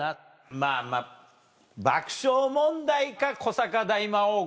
まぁまぁ爆笑問題か古坂大魔王か。